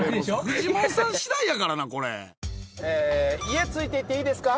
フジモンさんしだいやからな、家、ついていってイイですか？